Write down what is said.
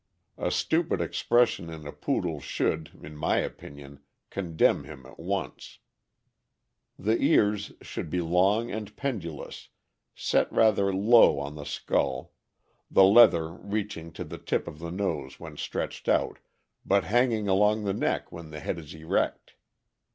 A stupid expression in a Poodle should, in my opinion, con demn him at once. The ears should be long and pendulous, set rather low on the skull, the leather reaching to the tip of the nose when stretched out, but hanging along the neck when the head is erect.